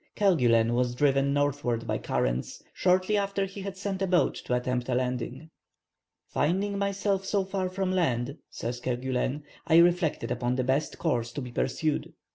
Kerguelen was driven northward by currents, shortly after he had sent a boat to attempt a landing. "Finding myself so far from land," says Kerguelen, "I reflected upon the best course to be pursued.